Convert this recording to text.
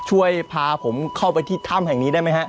ช่วยพาผมเข้าไปที่ถ้ำแห่งนี้ได้ไหมฮะ